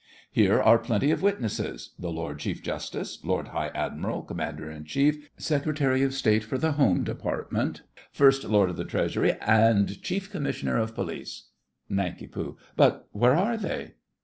Here are plenty of witnesses—the Lord Chief Justice, Lord High Admiral, Commander in Chief, Secretary of State for the Home Department, First Lord of the Treasury, and Chief Commissioner of Police. NANK. But where are they?